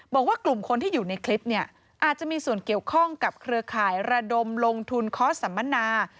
บอกว่ากลุ่มคนที่อยู่ในคลิปเนี่ยอาจจะมีส่วนเกี่ยวข้องกับเครือข่ายระดมลงทุนคอร์สสัมมนา